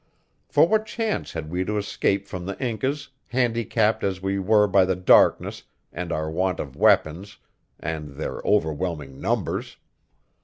For what chance had we to escape from the Incas, handicapped as we were by the darkness, and our want of weapons, and their overwhelming numbers?